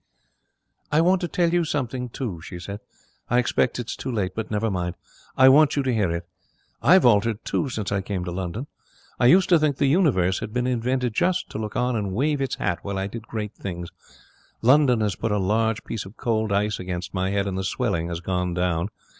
'I want to tell you something, too,' she said. 'I expect it's too late, but never mind. I want you to hear it. I've altered, too, since I came to London. I used to think the Universe had been invented just to look on and wave its hat while I did great things. London has put a large piece of cold ice against my head, and the swelling has gone down.